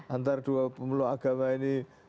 antara dua pemeluk agama ini